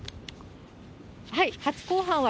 初公判は。